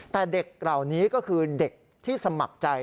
แต่เด็กเหล่านี้ก็คือเด็กที่สมัครใจ